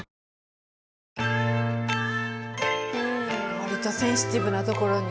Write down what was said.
わりとセンシティブなところに。